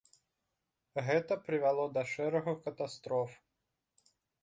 Гэта прывяло да шэрагу катастроф.